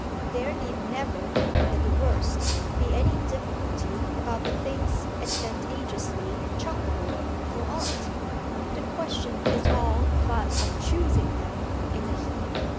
There need never, at the worst, be any difficulty about the things advantageously chuckable for art; the question is all but of choosing them in the heap.